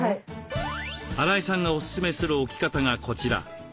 荒井さんがおススメする置き方がこちら。